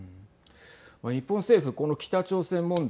日本政府この北朝鮮問題